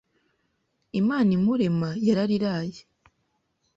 Imana imurema yarariraye